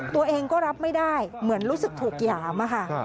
ตัวเองก็รับไม่ได้เหมือนรู้สึกถูกหยามค่ะ